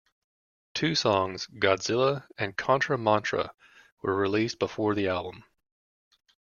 Two songs, "Godzilla" and "Contra Mantra", were released before the album.